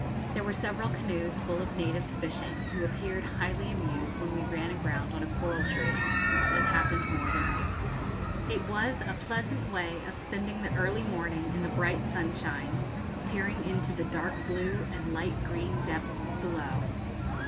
There were several canoes full of natives fishing, who appeared highly amused when we ran aground on a coral tree, as happened more than once. It was a pleasant way of spending the early morning in the bright sunshine, peering into the dark blue and light green depths below.